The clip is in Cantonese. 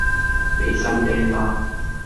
你收嗲啦